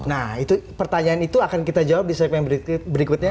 nah itu pertanyaan itu akan kita jawab di segmen berikutnya